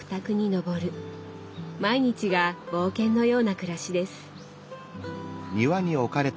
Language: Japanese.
毎日が冒険のような暮らしです。